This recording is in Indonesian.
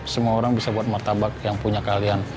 semua orang bisa buat martabak yang punya kalian